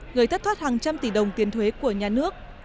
gây thất thoát hàng trăm tỷ đồng tiền thuế của nhà nước